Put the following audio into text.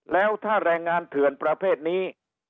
แล้วถ้าแรงงานเถื่อนประเภทนี้